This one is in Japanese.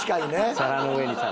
皿の上に皿。